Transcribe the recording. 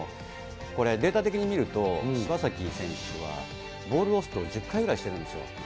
これ、データ的に見ると、柴崎選手はボールポストを１０回ぐらいしてるんですよ。